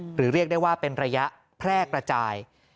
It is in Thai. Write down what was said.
เรียกได้ว่าเป็นระยะแพร่กระจาย